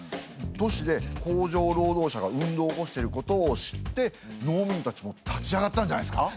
都市で工場労働者が運動を起こしてることを知って農民たちも立ち上がったんじゃないですか？